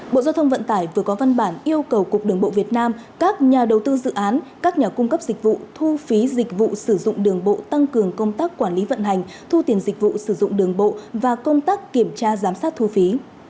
bộ giao thông vận tải vừa có văn bản yêu cầu cục đường bộ việt nam các nhà đầu tư dự án các nhà cung cấp dịch vụ thu phí dịch vụ sử dụng đường bộ tăng cường công tác quản lý vận hành thu tiền dịch vụ sử dụng đường bộ và công tác kiểm tra giám sát thu phí